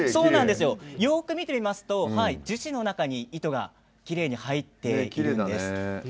よく見てみますと樹脂の中に糸がきれいに入っています。